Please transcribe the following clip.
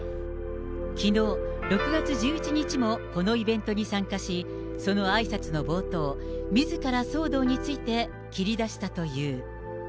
きのう６月１１日もこのイベントに参加し、そのあいさつの冒頭、みずから騒動について切りだしたという。